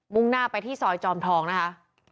่งหน้าไปที่ซอยจอมทองนะคะ